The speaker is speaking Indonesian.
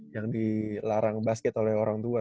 yang dilarang basket oleh orang tua